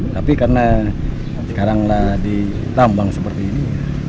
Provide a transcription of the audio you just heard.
tapi karena sekaranglah ditambang seperti ini